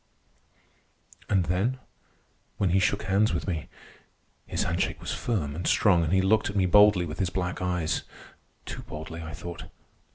And then, when he shook hands with me! His handshake was firm and strong, but he looked at me boldly with his black eyes—too boldly, I thought.